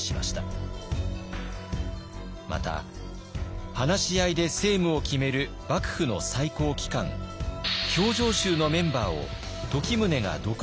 また話し合いで政務を決める幕府の最高機関評定衆のメンバーを時宗が独断で決定。